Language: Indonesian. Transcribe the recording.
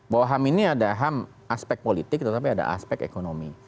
bahwa ham ini ada ham aspek politik tetapi ada aspek ekonomi